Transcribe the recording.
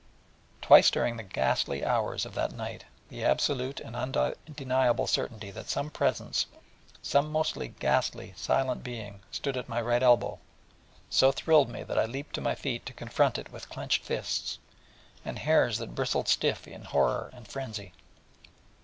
Twice during the ghostly hours of that night the absolute and undeniable certainty that some presence some most gashly silent being stood at my right elbow, so thrilled me, that I leapt to my feet to confront it with clenched fists, and hairs that bristled stiff in horror and frenzy.